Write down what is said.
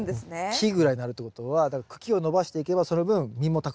木ぐらいになるってことはだから茎を伸ばしていけばその分実もたくさん収穫できると。